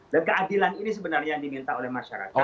dan keadilan ini sebenarnya yang diminta oleh masyarakat